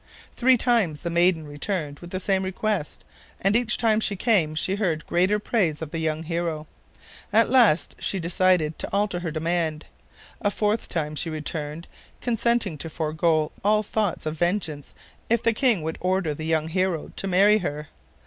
Three times the maiden returned with the same request, and each time she came she heard greater praise of the young hero. At last she decided to alter her demand. A fourth time she returned, consenting to forego all thoughts of vengeance if the king would order the young hero to marry her.